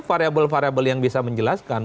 variable variable yang bisa menjelaskan